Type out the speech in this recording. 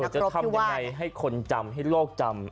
จะทำยังไงให้คนจำให้โลกจำ